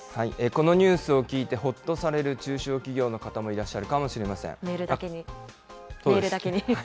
このニュースを聞いてほっとされる中小企業の方もいらっしゃメールだけに。